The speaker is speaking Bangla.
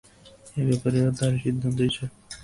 এ ব্যাপারেও তার সিদ্ধান্তই চরম।